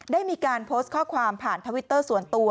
ได้มีการโพสต์ข้อความผ่านทวิตเตอร์ส่วนตัว